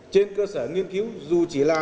trên cơ sở nghiên cứu dù chỉ là